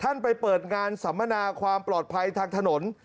ไปเปิดงานสัมมนาความปลอดภัยทางถนน